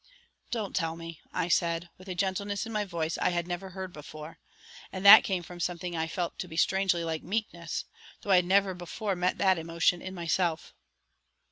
"Don't tell me," I said, with a gentleness in my voice I had never heard before, and that came from something that I felt to be strangely like meekness, though I had never before met that emotion in myself.